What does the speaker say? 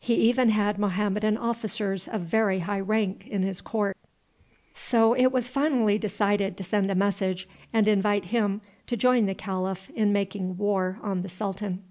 He even had Mohammedan officers of very high rank in his court. So it was finally decided to send a message and invite him to join the calif in making war on the sultan.